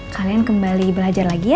kalian kembali belajar lagi ya